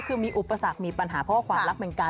เรื่องของโชคลาบนะคะ